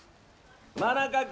真中君。